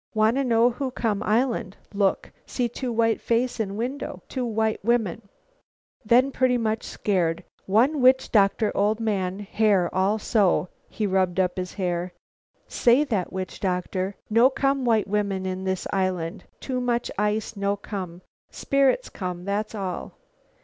Wanna know who come island. Look. See two white face in window; two white women. Then pretty much scared. One witch doctor, old man, hair all so," he rubbed up his hair. "Say that witch doctor, 'No come white women this island; too much ice, no come. Spirits come; that's all.'